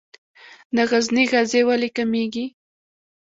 د غزني غزې ولې کمیږي؟